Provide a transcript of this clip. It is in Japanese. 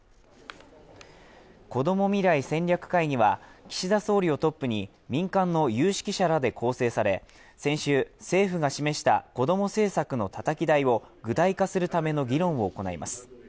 こども未来戦略会議は岸田総理をトップに民間の有識者らで構成され先週、政府が示した子ども政策のたたき台を具体化するための議論を行います。